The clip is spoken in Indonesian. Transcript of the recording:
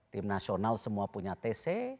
tim nasional semua punya tc